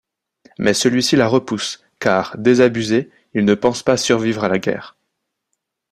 Mais celui-ci la repousse car, désabusé, il pense ne pas survivre à la guerre.